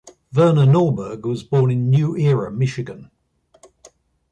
Verna Norberg was born in New Era, Michigan.